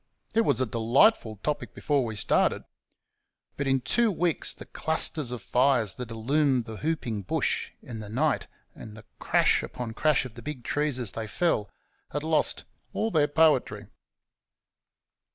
It was a delightful topic before we started,; but in two weeks the clusters of fires that illumined the whooping bush in the night, and the crash upon crash of the big trees as they fell, had lost all their poetry.